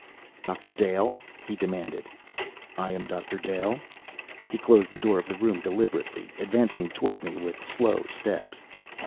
"Doctor Dale?" he demanded. "I am Doctor Dale." He closed the door of the room deliberately, advancing toward me with slow steps.